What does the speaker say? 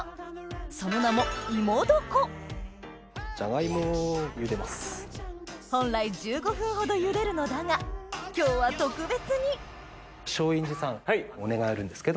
その名も本来１５分ほどゆでるのだが今日は特別に松陰寺さんお願いあるんですけど。